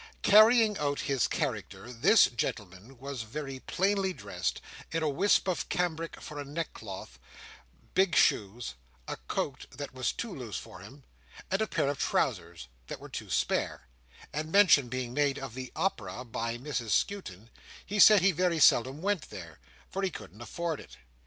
Carrying out his character, this gentleman was very plainly dressed, in a wisp of cambric for a neckcloth, big shoes, a coat that was too loose for him, and a pair of trousers that were too spare; and mention being made of the Opera by Mrs Skewton, he said he very seldom went there, for he couldn't afford it.